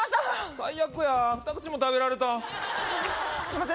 最悪や二口も食べられたすいません